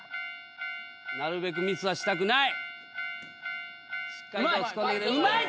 なるべくミスはしたくないうまい！